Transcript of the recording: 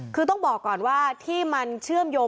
คือต้องบอกก่อนว่าที่มันเชื่อมโยง